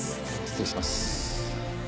失礼します。